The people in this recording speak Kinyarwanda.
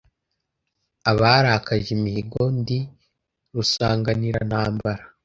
abarakaje imihigo ndi rusanganirantambara